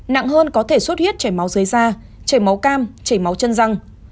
nặng hơn có thể xuất huyết chảy máu dưới da chảy máu cam chảy máu chân răng